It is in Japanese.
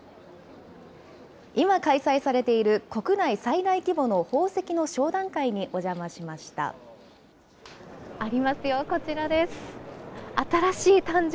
今開催されている、国内最大規模の宝石の商談会にお邪魔しました。